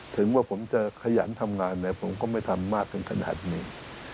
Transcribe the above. ถึงว่าผมจะขยันทำงานผมก็ไม่ทำมากถึงขนาดนี้